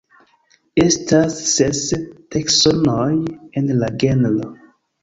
Estas ses taksonoj en la genro.